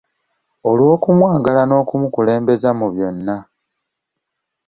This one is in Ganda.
Olw’okumwagala n’okumukulembeza mu byonna.